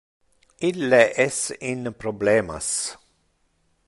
Ille es in problemas.